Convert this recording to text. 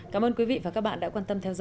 cảm ơn quý vị và các bạn đã quan tâm theo dõi